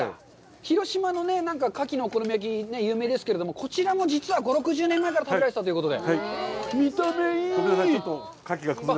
広島のカキのお好み焼きって有名ですけれども、こちらも実は５０６０年前から食べられてたということで。